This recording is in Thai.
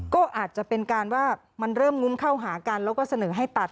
ก็อาจจะเป็นการว่ามันเริ่มงุ้มเข้าหากันแล้วก็เสนอให้ตัด